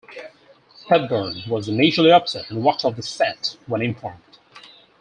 Hepburn was initially upset and walked off the set when informed.